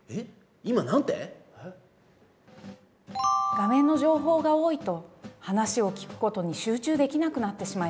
画面の情報が多いと話を聞くことに集中できなくなってしまいます。